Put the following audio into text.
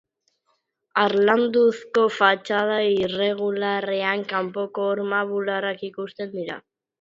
Harlanduzko fatxada irregularrean, kanpoko horma-bularrak ikusten dira.